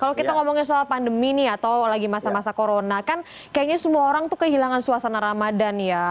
kalau kita ngomongin soal pandemi nih atau lagi masa masa corona kan kayaknya semua orang tuh kehilangan suasana ramadan ya